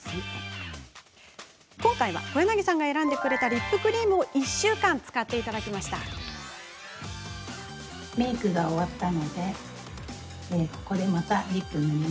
今回、小柳さんが選んでくれたリップクリームを１週間、使ってみました。